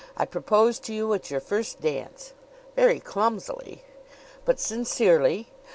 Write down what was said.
I proposed to you at your first dance " "Very clumsily." "But sincerely.